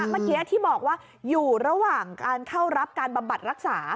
เมื่อกี้ที่บอกว่าอยู่ระหว่างการเข้ารับการบำบัดรักษา